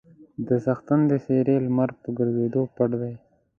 د څښتن د څېرې لمر په ګرځېدو پټ دی.